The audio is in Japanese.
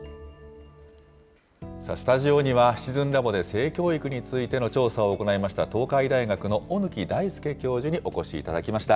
スタジオには、シチズンラボで性教育についての調査を行いました、東海大学の小貫大輔教授にお越しいただきました。